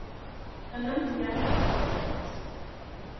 Annunziata of Florence.